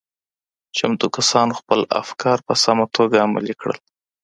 چمتو کسانو خپل افکار په سمه توګه عملي کړل.